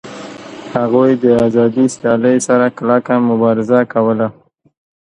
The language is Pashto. هغوی د آزادې سیالۍ سره کلکه مبارزه کوله